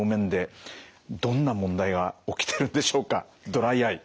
ドライアイ。